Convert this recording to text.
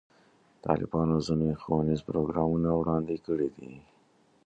طالبانو ځینې ښوونیز پروګرامونه وړاندې کړي دي.